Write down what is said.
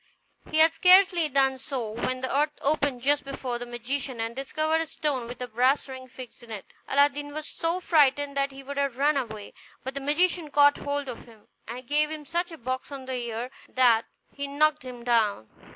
He had scarcely done so when the earth opened just before the magician, and discovered a stone with a brass ring fixed in it. Aladdin was so frightened that he would have run away, but the magician caught hold of him, and gave him such a box on the ear that he knocked him down.